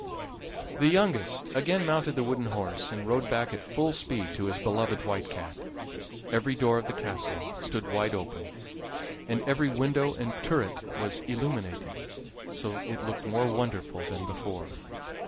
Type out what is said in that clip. The youngest again mounted the wooden horse, and rode back at full speed to his beloved White Cat. Every door of the castle stood wide open, and every window and turret was illuminated, so it looked more wonderful than before.